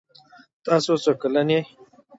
تاسو څو کلن یې؟